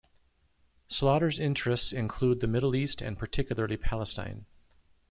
Slaughter's interests include the Middle East and particularly Palestine.